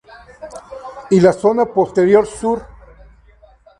Y la zona posterior "Sur.